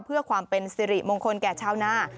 เพื่อความเป็นสิริมงคลแก่ชาวนา